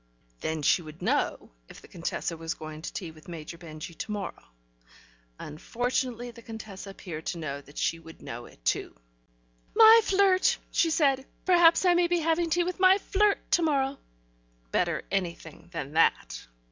(Then she would know if the Contessa was going to tea with Major Benjy to morrow ... unfortunately the Contessa appeared to know that she would know it, too.) "My flirt!" she said. "Perhaps I may be having tea with my flirt to morrow." Better anything than that.